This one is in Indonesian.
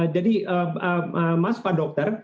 jadi mas pak dokter